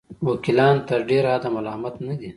وکیلان تر ډېره حده ملامت نه دي.